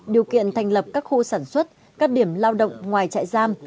điều kiện thành lập các khu sản xuất các điểm lao động ngoài trại giam